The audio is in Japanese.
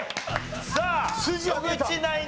さあ野口ナイン